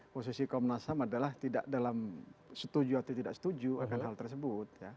posisi komnas ham adalah tidak dalam setuju atau tidak setuju akan hal tersebut